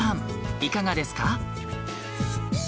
いかがですか？